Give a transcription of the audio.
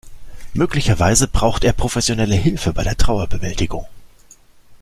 Möglicherweise braucht er professionelle Hilfe bei der Trauerbewältigung.